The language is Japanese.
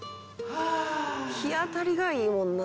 「日当たりがいいもんな」